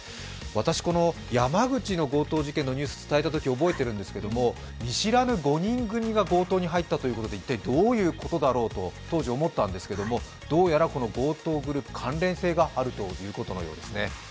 私、山口の強盗事件のニュースをお伝えしたとき覚えてるんですけど、見知らぬ５人組が強盗に入ったということで一体どういうことだろうと当時、思ったんですけれどもどうやら強盗グループ、関連性があるということのようですね。